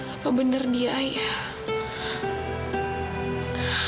apa bener dia ayah